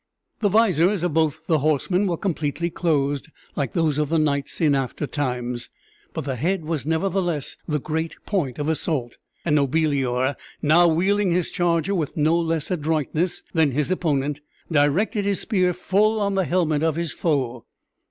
The visors of both the horsemen were completely closed (like those of the knights in after times), but the head was nevertheless the great point of assault; and Nobilior, now wheeling his charger with no less adroitness than his opponent, directed his spear full on the helmet of his foe.